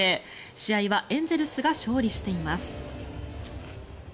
試合はエンゼルスが勝利しています。